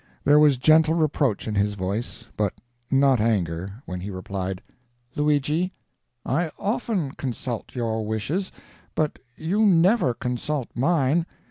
There was gentle reproach in his voice, but, not anger, when he replied: "Luigi, I often consult your wishes, but you never consult mine.